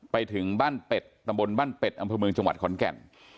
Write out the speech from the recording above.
ไปถึงบ้านเป็ดตำบลบ้านเป็ดอำเภอเมืองจังหวัดขอนแก่น